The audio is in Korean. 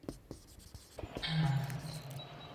엄마, 안 돼!